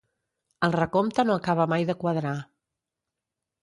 El recompte no acaba mai de quadrar.